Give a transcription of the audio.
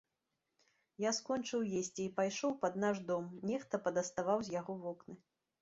Я скончыў есці і пайшоў пад наш дом, нехта падаставаў з яго вокны.